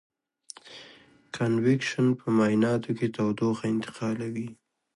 کنویکشن په مایعاتو کې تودوخه انتقالوي.